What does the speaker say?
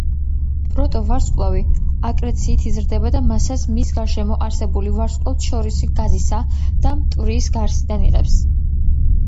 პროტოვარსკვლავი აკრეციით იზრდება და მასას მის გარშემო არსებული ვარსკვლავთშორისი გაზისა და მტვრის გარსიდან იღებს.